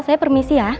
saya permisi ya